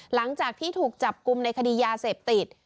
หลังจากที่ถูกจับกลุ่มในคดียาเสพติด